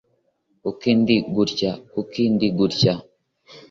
kuki ndi gutya? kuki ndi gutya?